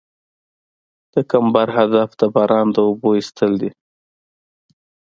د کمبر هدف د باران د اوبو ایستل دي